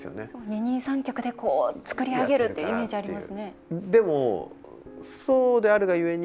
二人三脚で、こう作り上げるっていうイメージありますね。